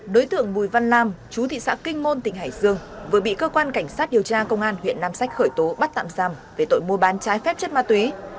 đối tượng bùi văn lam chú thị xã kinh môn tỉnh hải dương vừa bị cơ quan cảnh sát điều tra công an huyện nam sách khởi tố bắt tạm giam về tội mua bán trái phép chất ma túy